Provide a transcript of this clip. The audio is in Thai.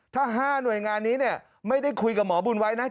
ถ้า๕หน่วยงานนี้ไม่ได้คุยกับหมอบุญไว้นะ